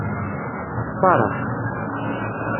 Xtareɣ-k.